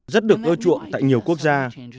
rất được ưa chuộng tại nhiều quốc gia